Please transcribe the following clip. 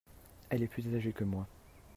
Elle est plus agée que moi.